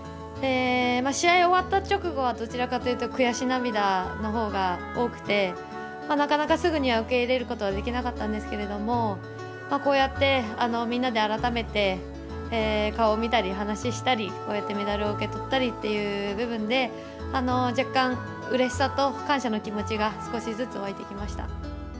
試合、終わった直後はどちらかというと悔し涙の方が大きくてなかなかすぐには受け入れることはできなかったんですけれども、こうやってみんなで改めて顔を見たり話をしたり、こうやってメダルを受け取ったりという部分で若干、うれしさと感謝の気持ちが少しずつ湧いてきました。